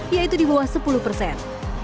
yaitu di bawah sepuluh persen